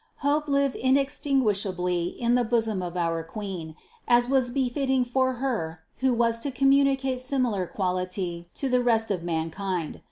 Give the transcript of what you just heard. Hope lived inextinguishably in the bosom of our Queen, as was befitting for Her who was to communicate similar quality to the rest of man kind.